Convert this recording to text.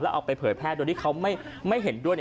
เอาไปเผยแพร่โดยที่เขาไม่เห็นด้วย